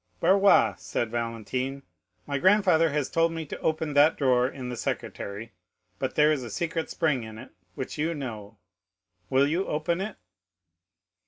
"Barrois," said Valentine, "my grandfather has told me to open that drawer in the secretaire, but there is a secret spring in it, which you know—will you open it?"